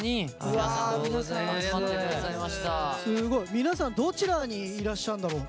皆さんどちらにいらっしゃるんだろう。